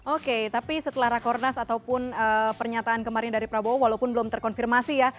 oke tapi setelah rakornas ataupun pernyataan kemarin dari prabowo walaupun belum terkonfirmasi ya